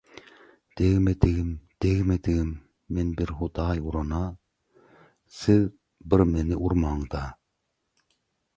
– Degmedigim, degmedigim. Men bir Hudaý uran-a, siz bir meni urmaň-da.